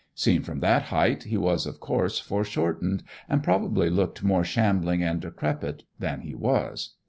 Seen from that height he was of course fore shortened and probably looked more shambling and decrepit than he was.